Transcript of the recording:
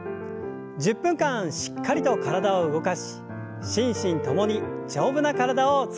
１０分間しっかりと体を動かし心身ともに丈夫な体を作りましょう。